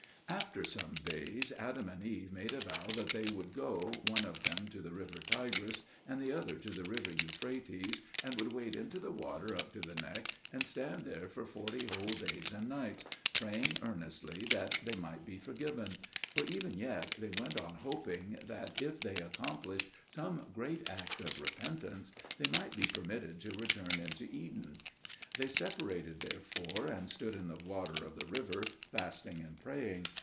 After some days, Adam and Eve made a vow that they would go, one of them to the river Tigris and the other to the river Euphrates, and would wade into the water up to the neck, and stand there for forty whole days and nights, praying earnestly that they might be forgiven; for even yet they went on hoping that, if they accomplished some great act of repentance, they might be permitted to return into Eden. They separated, therefore, and stood in the water of the river, fasting and praying.